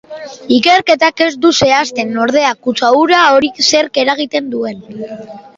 Ikerketak ez du zehazten, ordea, kutsadura hori zerk eragiten duen.